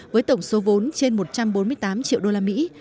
với tổng số vốn trên một trăm bốn mươi tám triệu đô la mỹ